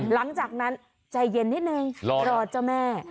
หลังจากนั้นใจเย็นนิดนึงรอเจ้าแม่